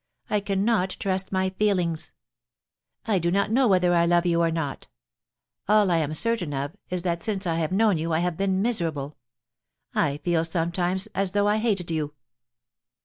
I cannot trust my feelings. I do not know whether I love you or not All I am certain of is that since I have known you I have been miserable. I feel sometimes as though I hated you.'